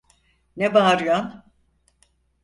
Ne bağırıyon?